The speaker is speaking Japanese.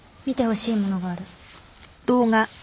見てほしいものがある。